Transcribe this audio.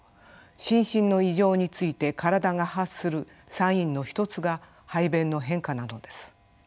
心身の異常について体が発するサインの一つが排便の変化なのです。